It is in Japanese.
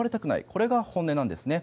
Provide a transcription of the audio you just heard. これが本音なんですね。